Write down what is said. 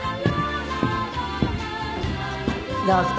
どうぞ。